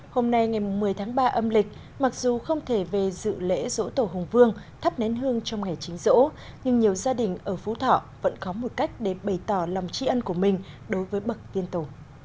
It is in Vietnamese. hôm nay ngày một mươi tháng ba âm lịch mặc dù không thể về dự lễ rỗ tổ hùng vương thắp nén hương trong ngày chính rỗ nhưng nhiều gia đình ở phú thọ vẫn có một cách để bày tỏ lòng tri ân của mình đối với bậc tiên tổ